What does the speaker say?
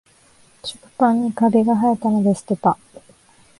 食パンにカビがはえたので捨てた